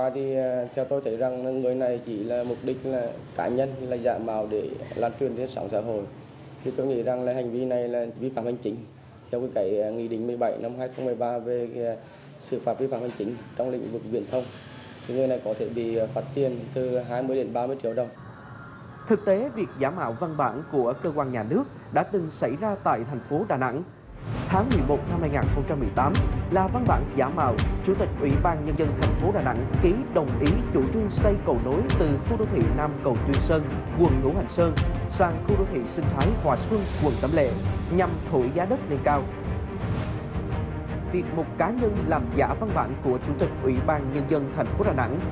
việc một cá nhân làm giả văn bản của chủ tịch ủy ban nhân dân thành phố đà nẵng